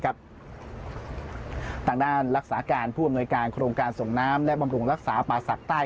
ทางด้านรักษาการผู้อำนวยการโครงการส่งน้ำและบำรุงรักษาป่าศักดิ์ใต้